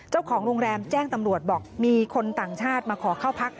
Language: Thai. เจ้าของโรงแรมแจ้งตำรวจบอกมีคนต่างชาติมาขอเข้าพัก